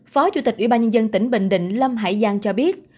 phó chủ tịch ubnd tỉnh bình định lâm hải giang cho biết